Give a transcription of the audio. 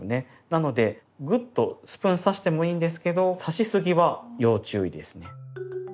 なのでグッとスプーン刺してもいいんですけど刺しすぎは要注意ですね。